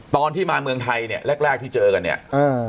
ตอนที่มาเมืองไทยเนี่ยแรกแรกที่เจอกันเนี่ยอ่า